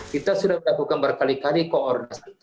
kita sudah melakukan berkali kali koordinasi